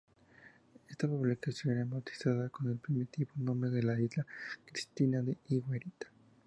Esta publicación sería bautizada con el primitivo nombre de Isla Cristina, La Higuerita.